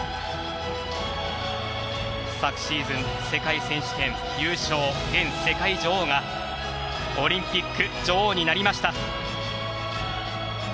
昨シーズン、世界選手権優勝現世界女王がオリンピック女王になりました。